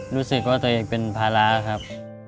รู้สึกว่าตัวเองเป็นภาระครับ